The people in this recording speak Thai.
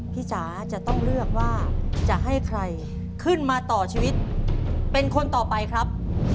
จ๋าจะต้องเลือกว่าจะให้ใครขึ้นมาต่อชีวิตเป็นคนต่อไปครับ